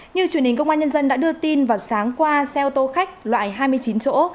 như truyền hình công an nhân dân đã đưa tin vào sáng qua xe ô tô khách loại hai mươi chín chỗ